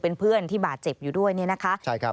เป็นเพื่อนที่บาดเจ็บอยู่ด้วยเนี่ยนะคะ